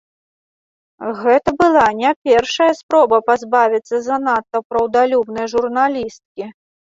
Гэта была не першая спроба пазбавіцца занадта праўдалюбнай журналісткі.